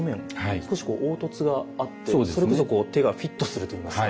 少しこう凹凸があってそれこそこう手がフィットするといいますか。